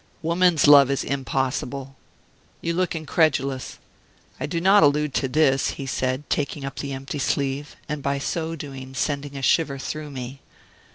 "Woman's love is impossible. You look incredulous. I do not allude to this," he said, taking up the empty sleeve, and by so doing sending a shiver through me.